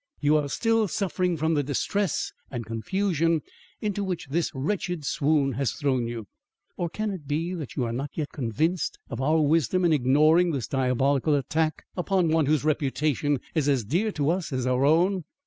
You are still suffering from the distress and confusion into which this wretched swoon has thrown you. Or can it be that you are not yet convinced of our wisdom in ignoring this diabolic attack upon one whose reputation is as dear to us as our own?